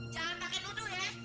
jangan pakai nudu ya